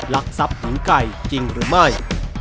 ลักทรัพย์หญิงไก่จริงหรือไม่